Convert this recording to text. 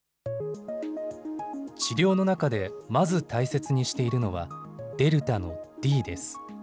治療の中でまず大切にしているのは、ＤＥＬＴＡのＤです。